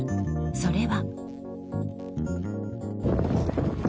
それは。